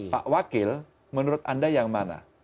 pak wakil menurut anda yang mana